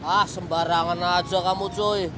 ah sembarangan aja kamu joy